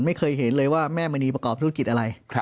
ไม่เคยเห็นเลยว่าแม่มณีประกอบธุรกิจอะไร